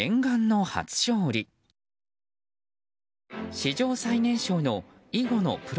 史上最年少の囲碁のプロ